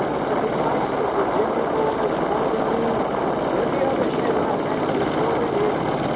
"If he likes the Virginny boys more than me, there be others here I fancy more than him."